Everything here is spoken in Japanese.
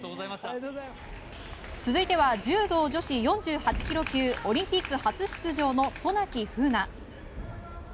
続いては柔道女子４８ｋｇ級オリンピック初出場の渡名喜風南。